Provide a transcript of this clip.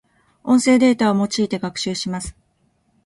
音声データを用いて学習します。